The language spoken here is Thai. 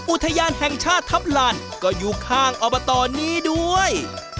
อุทยานแห่งชาติทัพลานก็อยู่ข้างอบตนี้ด้วย